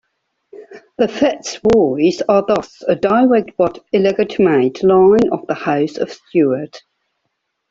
The FitzRoys are thus a direct but illegitimate line of the House of Stuart.